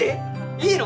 いいの？